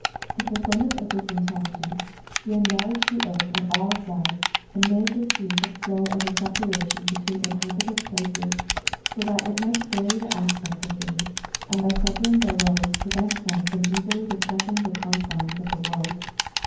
In fulfilment of this intention, he enlarged the earth on all sides ; and made the sea to flow as a separation between inhabited places, so that it might vary the aspect of things, and by severing their roads, prevent men from easily discovering the confines of the world.